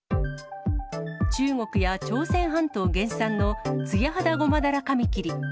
中国や朝鮮半島原産のツヤハダゴマダラカミキリ。